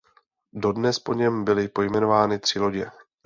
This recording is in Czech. Dodnes po něm byly pojmenovány tři lodě.